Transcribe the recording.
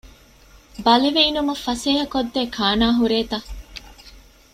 ބަލިވެއިނުމަށް ފަސޭހަކޮށްދޭ ކާނާ ހުރޭތަ؟